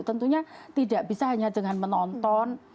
tentunya tidak bisa hanya dengan menonton